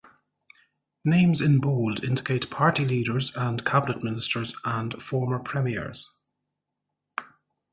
Names in bold indicate party leaders and cabinet ministers and former premiers.